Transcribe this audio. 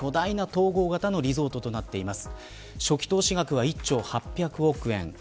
巨大な統合型のリゾートとなっています。